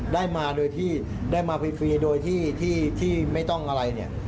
ได้มาโดยที่ได้มาฟรีโดยที่ไม่ต้องอะไรเนี่ย